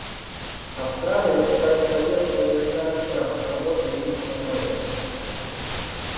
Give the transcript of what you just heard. Австралия выступает в поддержку универсальных прав и свобод ливийского народа.